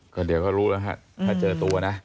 ก็เดี๋ยวก็รู้แล้วฮะถ้าเจอตัวนะ